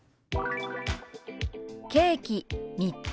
「ケーキ３つ」。